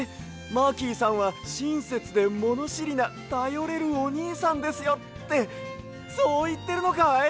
マーキーさんはしんせつでものしりなたよれるおにいさんですよ」ってそういってるのかい？